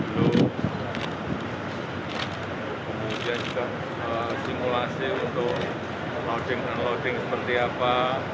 kemudian juga simulasi untuk loading dan unloading seperti apa